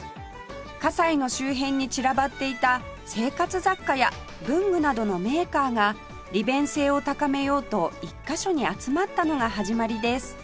西の周辺に散らばっていた生活雑貨や文具などのメーカーが利便性を高めようと１カ所に集まったのが始まりです